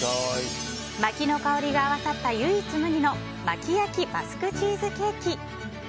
薪の香りが合わさった唯一無二の薪焼バスクチーズケーキ。